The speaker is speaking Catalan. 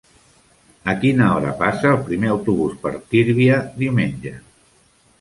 A quina hora passa el primer autobús per Tírvia diumenge?